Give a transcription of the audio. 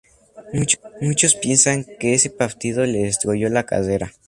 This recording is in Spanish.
Muchos piensan que ese partido le destruyó la carrera.